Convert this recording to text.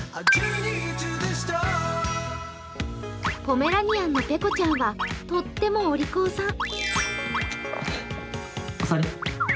ポメラニアンのペコちゃんはとってもお利口さん。